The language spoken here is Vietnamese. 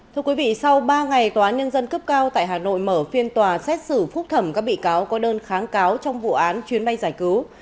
thưa quý vị sau ba ngày tòa án nhân dân cấp cao tại hà nội mở phiên tòa xét xử phúc thẩm các bị cáo có đơn kháng cáo trong vụ án chuyến bay giải cứu